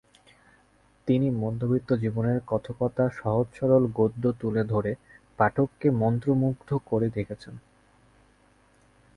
তিনি মধ্যবিত্ত জীবনের কথকতা সহজ-সরল গদ্যে তুলে ধরে পাঠককে মন্ত্রমুগ্ধ করে রেখেছেন।